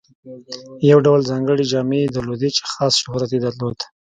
یو ډول ځانګړې جامې یې درلودې چې خاص شهرت یې درلود.